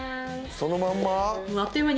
そのまんま？